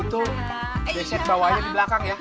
itu basic bawahnya di belakang ya